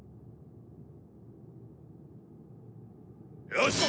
よし！